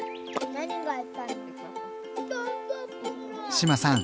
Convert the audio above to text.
志麻さん